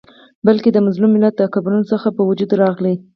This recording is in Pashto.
بلکي د مظلوم ملت د قبرونو څخه په وجود راغلی